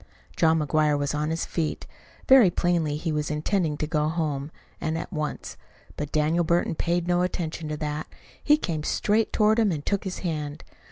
John McGuire was on his feet. Very plainly he was intending to go home, and at once. But Daniel Burton paid no attention to that. He came straight toward him and took his hand.